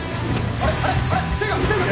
あれ？